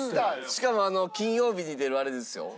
しかも金曜日に出るあれですよ。